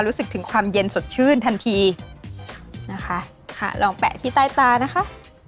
รู้สึกถึงความเย็นสดชื่นทันทีนะคะค่ะลองแปะที่ใต้ตานะคะ